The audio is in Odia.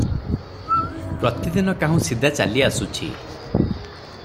ପ୍ରତିଦିନ କାହୁଁ ସିଦା ଚାଲି ଆସୁଛି ।